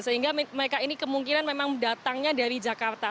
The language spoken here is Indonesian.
jadi ini memang datangnya dari jakarta